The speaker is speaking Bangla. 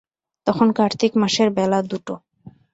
তখন কার্তিক মাসের বেলা দুটো।